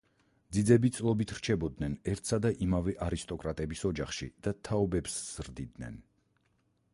ძიძები წლობით რჩებოდნენ ერთსა და იმავე არისტოკრატების ოჯახში და თაობებს ზრდიდნენ.